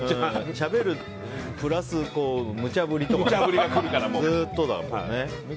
しゃべるプラスむちゃ振りがずっとだもんね。